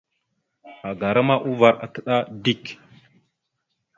Agara ma uvar ataɗá dik.